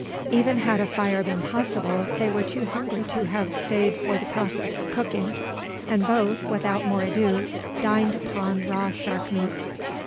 Even had a fire been possible, they were too hungry to have stayed for the process of cooking; and both, without more ado, dined upon raw shark meat.